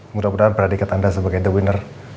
mudah mudahan predikat anda sebagai the winner